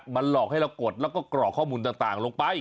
มันหลอกให้เรากดแล้วก็กรอกข้อมูลต่างลงไป